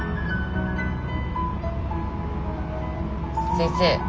先生